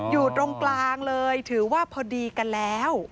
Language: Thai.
อยู่ตรงกลางเลยถือว่าพอดีกันแล้ว